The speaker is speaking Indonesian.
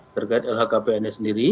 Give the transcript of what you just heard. terkait lhkpnnya sendiri